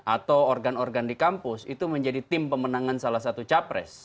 atau organ organ di kampus itu menjadi tim pemenangan salah satu capres